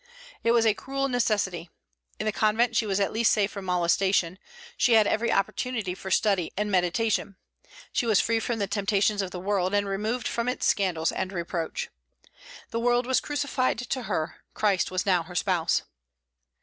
It was a cruel necessity. In the convent she was at least safe from molestation; she had every opportunity for study and meditation; she was free from the temptations of the world, and removed from its scandals and reproach. The world was crucified to her; Christ was now her spouse.